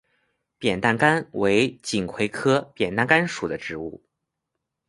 扁担杆为锦葵科扁担杆属的植物。